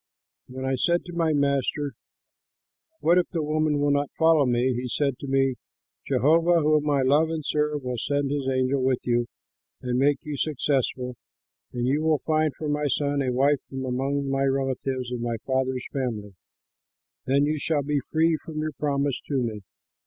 "When I said to my master, 'What if the woman will not follow me?' he said to me, 'Jehovah, whom I love and serve, will send his angel with you and make you successful, and you will find for my son a wife from among my relatives and my father's family. Then you shall be free from your promise to me.